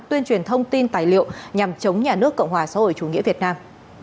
tuyên truyền thông tin tài liệu nhằm chống nhà nước cộng hòa xã hội chủ nghĩa việt nam